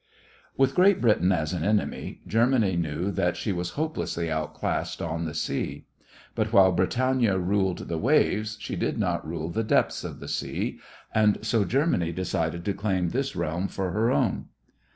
With Great Britain as an enemy, Germany knew that she was hopelessly outclassed on the sea; but while "Britannia ruled the waves," she did not rule the depths of the sea, and so Germany decided to claim this realm for her own.